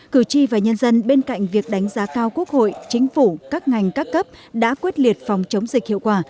cử tri và nhân dân bên cạnh việc đánh giá cao quốc hội chính phủ các ngành các cấp đã quyết liệt phòng chống dịch hiệu quả